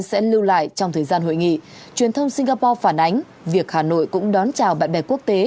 sẽ lưu lại trong thời gian hội nghị truyền thông singapore phản ánh việc hà nội cũng đón chào bạn bè quốc tế